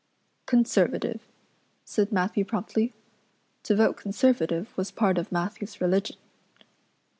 "Conservative," said Matthew promptly. To vote Conservative was part of Matthew's religion.